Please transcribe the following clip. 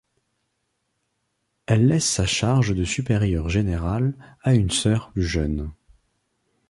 Elle laisse sa charge de supérieure générale à une Sœur plus jeune.